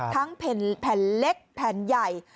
แผ่นเล็กแผ่นใหญ่